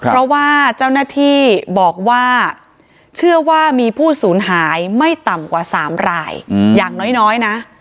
เพราะว่าเจ้าหน้าที่บอกว่าเชื่อว่ามีผู้สูญหายไม่ต่ำกว่า๓รายอย่างน้อยนะ